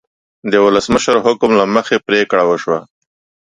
د ولسمشر حکم له مخې پریکړه وشوه.